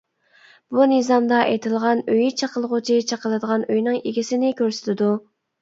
بۇ نىزامدا ئېيتىلغان ئۆيى چېقىلغۇچى چېقىلىدىغان ئۆينىڭ ئىگىسىنى كۆرسىتىدۇ.